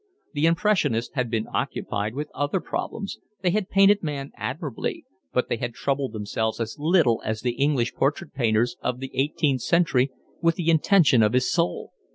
The Impressionists had been occupied with other problems, they had painted man admirably, but they had troubled themselves as little as the English portrait painters of the eighteenth century with the intention of his soul.